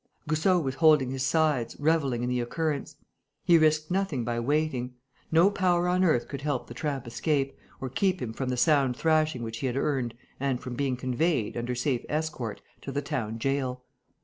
Goussot was holding his sides, revelling in the occurrence. He risked nothing by waiting. No power on earth could help the tramp escape or keep him from the sound thrashing which he had earned and from being conveyed, under safe escort, to the town gaol.